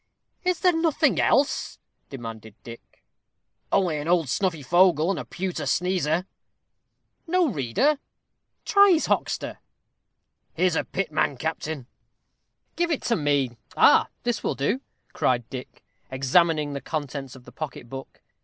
"Is there nothing else?" demanded Dick. "Only an old snuffy fogle and a pewter sneezer." "No reader? Try his hoxter." "Here's a pit man, captain." "Give it me. Ah! this will do," cried Dick, examining the contents of the pocket book.